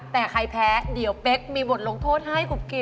แต่ใครแพ้เดี๋ยวเป๊กมีบทลงโทษให้กุ๊กกิ